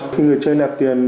khi người chơi đạp tiền